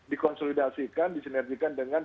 dikonsolidasikan disinergikan dengan